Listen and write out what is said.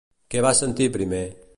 Què va sentir primer?